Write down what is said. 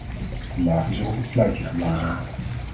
Vandaag is er op het fluitje geblazen.